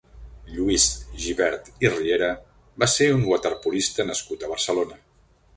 Lluís Gibert i Riera va ser un waterpolista nascut a Barcelona.